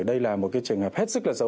đây là một cái trường hợp hết sức là dấu